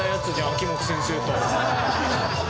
秋元先生と。